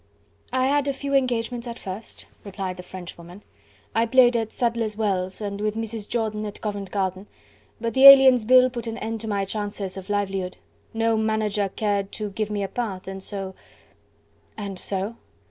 "I had a few engagements at first," replied the Frenchwoman. "I played at Sadler's Wells and with Mrs. Jordan at Covent Garden, but the Aliens' Bill put an end to my chances of livelihood. No manager cared to give me a part, and so..." "And so?"